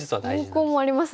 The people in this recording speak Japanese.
方向もありますね。